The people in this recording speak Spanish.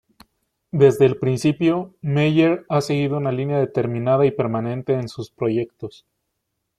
Desde el principio, Meier ha seguido una línea determinada y permanente en sus proyectos.